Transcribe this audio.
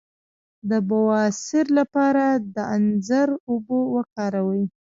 د بواسیر لپاره د انځر اوبه وکاروئ